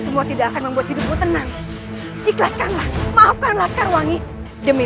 semua tidak akan membuat hidupmu tenang ikhlaskanlah maafkan laskar wangi demi